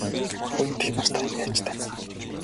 Буянт эхнэр та яаж танив?